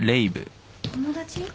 友達？